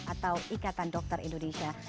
atau ikatan dokter indonesia